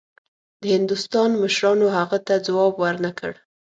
د هندوستان مشرانو هغه ته ځواب ورنه کړ.